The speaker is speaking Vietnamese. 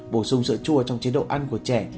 bổ sung sữa chua trong chế độ ăn của trẻ